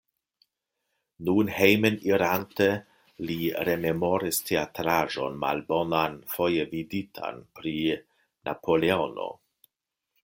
Nun hejmenirante, li rememoris teatraĵon malbonan, foje viditan pri Napoleono.